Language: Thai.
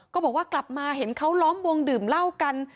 ก็บอกว่ากลับมาเห็นเขาล้อมวงดื่มเหล้ากัน